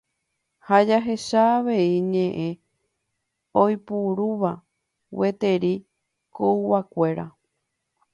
ha jahecha avei ñe'ẽ oiporúva gueteri koyguakuéra.